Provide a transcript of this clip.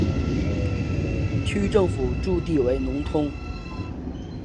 区政府驻地为农通。